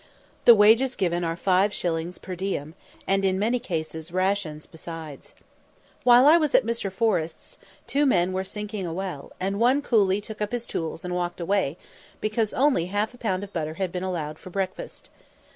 The wages given are five shillings per diem, and in many cases "rations" besides. While I was at Mr. Forrest's, two men were sinking a well, and one coolly took up his tools and walked away because only half a pound of butter had been allowed for breakfast.